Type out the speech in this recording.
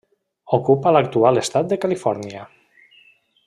Ocupa l'actual estat de Califòrnia.